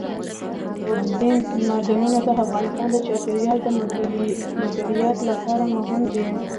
اوبزین معدنونه د افغانستان د چاپیریال د مدیریت لپاره مهم دي.